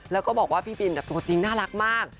แล้วก็บอกว่าพี่บินตัวจริงน่ารักมาก